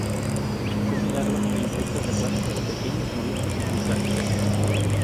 Come larvas de insectos acuáticos, pequeños moluscos y crustáceos.